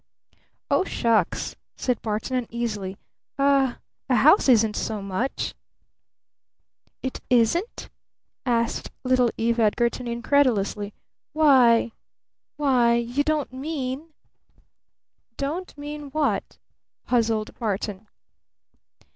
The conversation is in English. "Oh, shucks!" said Barton uneasily. "A a house isn't so much!" "It isn't?" asked little Eve Edgarton incredulously. "Why why you don't mean " "Don't mean what?" puzzled Barton.